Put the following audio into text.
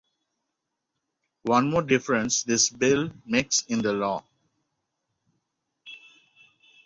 One more difference this Bill makes in the law.